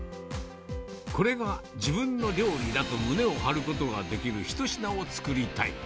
これが自分の料理だと胸を張ることができる一品を作りたい。